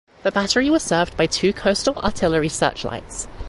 The battery was served by two Coastal Artillery Search Lights.